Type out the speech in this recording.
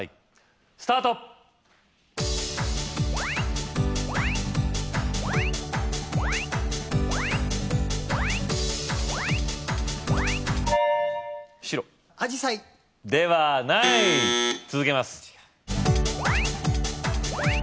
スタート白アジサイではない続けます